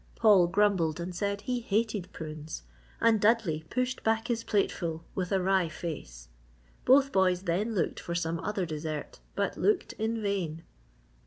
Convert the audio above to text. Paul grumbled and said he hated prunes and Dudley pushed back his plate full with a wry face. Both boys then looked for some other dessert but looked in vain!